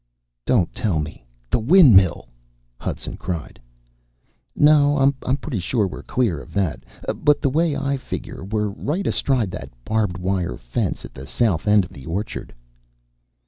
"Don't tell me the windmill!" Hudson cried. "No. I'm pretty sure we're clear of that. But the way I figure, we're right astraddle that barbed wire fence at the south end of the orchard."